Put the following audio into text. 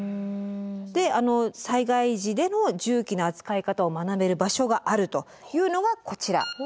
で災害時での重機の扱い方を学べる場所があるというのがこちら。